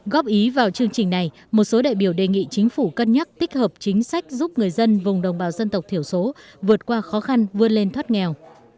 góp ý vào chương trình này một số đại biểu đề nghị chính phủ cân nhắc tích hợp chính sách giúp người dân vùng đồng bào dân tộc thiểu số vượt qua khó khăn vươn lên thoát nghèo